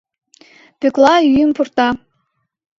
Пӧкла ӱйым пурта.